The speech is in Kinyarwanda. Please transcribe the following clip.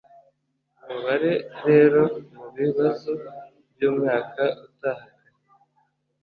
Mubare rero mubibazo byumwaka utaha kare